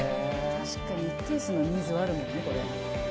確かに一定数のニーズはあるもんねこれ。